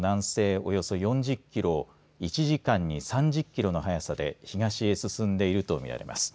およそ４０キロを１時間に３０キロの速さで東へ進んでいるとみられます。